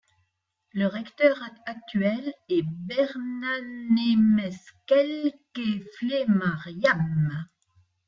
Le recteur actuel est Berhanemeskel Keflemariam.